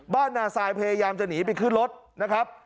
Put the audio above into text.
นาซายพยายามจะหนีไปขึ้นรถนะครับ